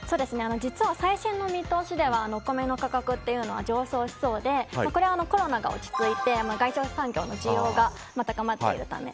実は最新の見通しではお米の価格というのは上昇しそうでこれはコロナが落ち着いて外食産業の需要が高まっているため。